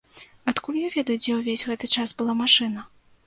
Адкуль я ведаю, дзе ўвесь гэты час была машына?